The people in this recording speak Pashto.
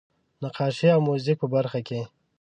نقاشۍ او موزیک په برخه کې.